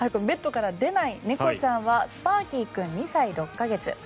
ベッドから出ない猫ちゃんはスパーキー君、２歳６か月。